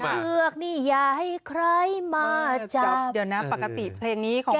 เชือกนี่อย่าให้ใครมาจับเดี๋ยวนะปกติเพลงนี้ของเขา